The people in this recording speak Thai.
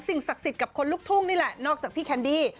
ศักดิ์สิทธิ์กับคนลูกทุ่งนี่แหละนอกจากพี่แคนดี้